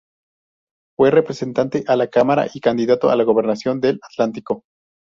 Fue representante a la Cámara y candidato a la Gobernación del Atlántico.